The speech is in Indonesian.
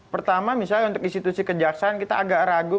pertama misalnya untuk institusi kejaksaan kita agak ragu